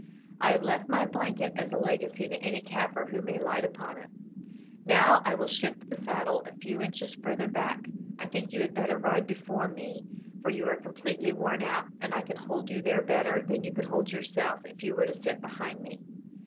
I have left my blanket as a legacy to any Kaffir who may light upon it. Now I will shift the saddle a few inches further back. I think you had better ride before me, for you are completely worn out, and I can hold you there better than you could hold yourself if you were to sit behind me."